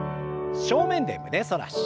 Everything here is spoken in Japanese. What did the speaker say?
正面で胸反らし。